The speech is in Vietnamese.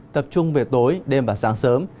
tập trung về tối đêm và sáng sớm